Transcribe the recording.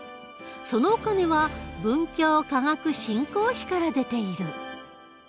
そのお金は文教科学振興費から出ている。